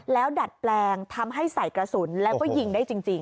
แล้วดัดแปลงทำให้ใส่กระสุนแล้วก็ยิงได้จริง